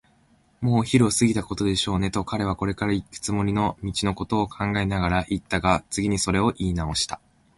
「もうお昼を過ぎたことでしょうね」と、彼はこれからいくつもりの道のことを考えながらいったが、次にそれをいいなおした。